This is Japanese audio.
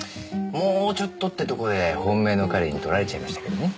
もうちょっとってとこで本命の彼に取られちゃいましたけどね。